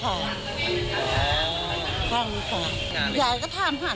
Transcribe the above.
ยายก็ถามหาทางนานถามหลังใน